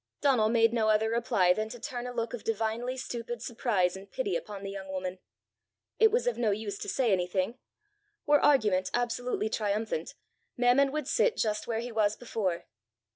Donal made no other reply than to turn a look of divinely stupid surprise and pity upon the young woman. It was of no use to say anything! Were argument absolutely triumphant, Mammon would sit just where he was before!